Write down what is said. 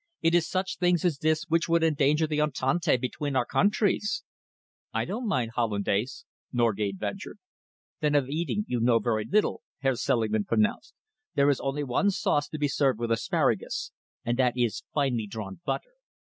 It is such things as this which would endanger the entente between our countries." "I don't mind Hollandaise" Norgate ventured. "Then of eating you know very little," Herr Selingman pronounced. "There is only one sauce to be served with asparagus, and that is finely drawn butter.